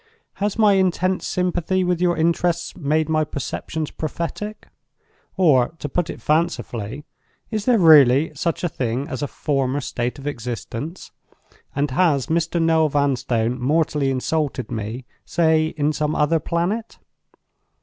Has my intense sympathy with your interests made my perceptions prophetic? or, to put it fancifully, is there really such a thing as a former state of existence? and has Mr. Noel Vanstone mortally insulted me—say, in some other planet?